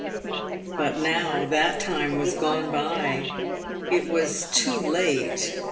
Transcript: But now that time was gone by. It was too late.